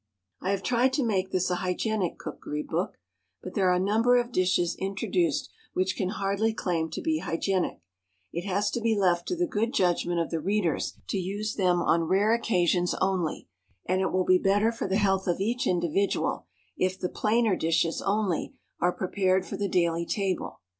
I have tried to make this a hygienic cookery book; but there are a number of dishes introduced which can hardly claim to be hygienic; it has to be left to the good judgment of the readers to use them on rare occasions only, and it will be better for the health of each individual if the plainer dishes only are prepared for the daily table.